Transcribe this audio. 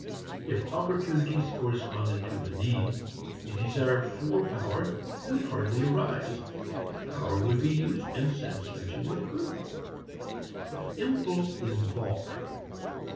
If opportunities corresponded to the need, a desire for power would hardly arise: power would be used and satisfaction would accrue. But impulse is balked.